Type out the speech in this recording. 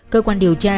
cơ quan điều tra